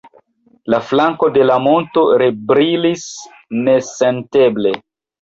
La flanko de la monto rebrilis nesenteble.